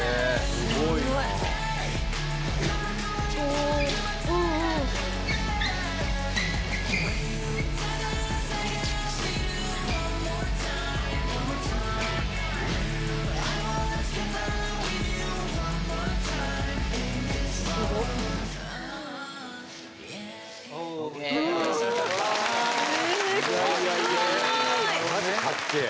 すごい！まじかっけえ。